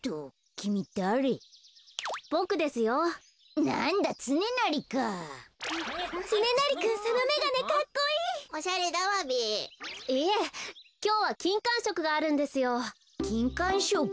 きんかんしょく？